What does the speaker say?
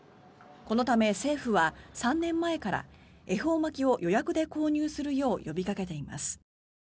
このため、政府は３年前から恵方巻きを予約で購入するよう呼びかけています。